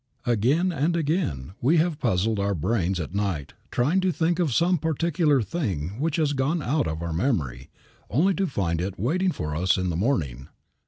Again and again have we puzzled our brains at night trying to think of some particular thing which had gone out of our memory, only to find it waiting for us in the morning.